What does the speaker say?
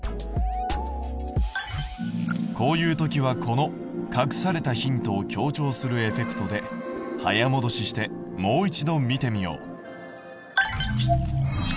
こういう時はこの隠されたヒントを強調するエフェクトで早もどししてもう一度見てみよう。